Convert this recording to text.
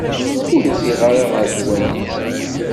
Ur ufiɣ ara ɣer ddwa-nni.